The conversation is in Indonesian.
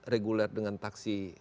reguler dengan taksi